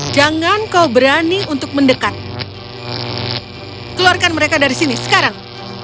jangan kau berani untuk mendekat keluarkan mereka dari sini sekarang